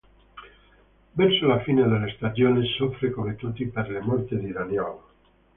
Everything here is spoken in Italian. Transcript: Verso la fine della stagione soffre, come tutti, per la morte di Daniel.